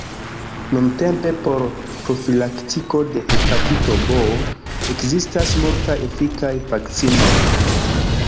Nuntempe por profilaktiko de hepatito B ekzistas multaj efikaj vakcinoj.